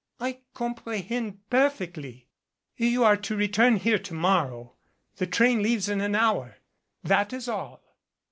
"I comprehend perfectly." "You are to return here to morrow. The train leaves in an hour. That is all."